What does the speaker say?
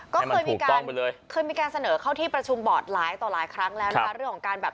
ก็เคยมีการเสนอเข้าที่ประชุมบอดหลายต่อหลายครั้งแล้วเรื่องของการแบบ